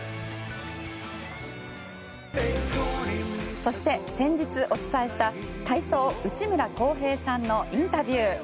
そして先日お伝えした体操、内村航平さんのインタビュー。